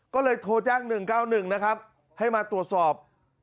ก็เลยโทรแจ้ง๑๙๑นะครับให้มาตรวจสอบ